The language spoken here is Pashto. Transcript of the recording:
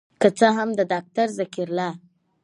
که څه هم د داکتر ذکر الله